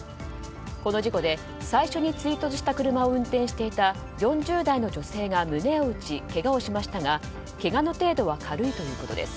この事故で最初に追突した車を運転していた４０代の女性が胸を打ち、けがをしましたがけがの程度は軽いということです。